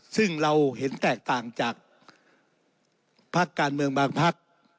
ซึ่งเราเห็นแตกต่างจากพักการเมืองบางพัก